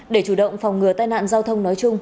để chủ động phòng ngừa tai nạn giao thông nói chung